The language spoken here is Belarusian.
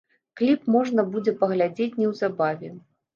Кліп можна будзе паглядзець неўзабаве.